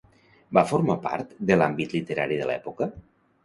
Va formar part de l'àmbit literari de l'època?